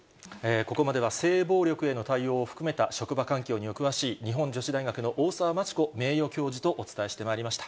ここまでは性暴力への対応を含めた職場環境にお詳しい、日本女子大学の大沢真知子名誉教授とお伝えしてまいりました。